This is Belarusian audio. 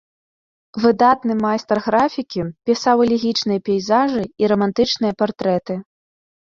Выдатны майстар графікі пісаў элегічныя пейзажы і рамантычныя партрэты.